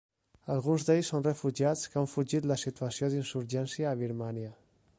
Alguns d'ells són refugiats que han fugit la situació d'insurgència a Birmània.